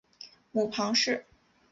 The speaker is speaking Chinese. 母庞氏。